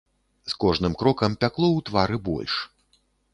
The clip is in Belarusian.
З кожным крокам пякло ў твары больш.